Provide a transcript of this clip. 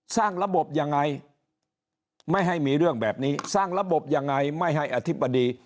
สร้างระบบยังไงไม่ให้มีเรื่องแบบนี้สร้างระบบยังไงไม่ให้อธิบดี